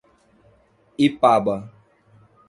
Ipaba